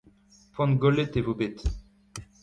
poan gollet e vo bet…